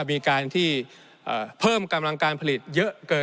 ในช่วงที่สุดในรอบ๑๖ปี